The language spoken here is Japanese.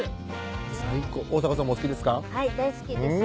最高大迫さんもお好きですか？